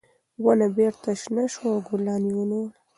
ونه بېرته شنه شوه او ګلان یې ونیول.